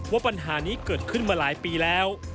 ว่าปัญหานี้เกิดขึ้นมาหลายปีแล้ว